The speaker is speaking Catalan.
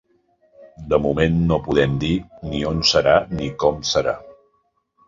De moment no podem dir ni on serà ni com serà.